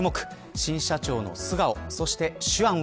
新社長の素顔そして手腕は。